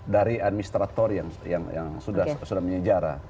dari administrator yang sudah menyejara